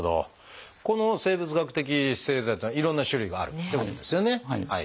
この生物学的製剤っていうのはいろんな種類があるってことですよね。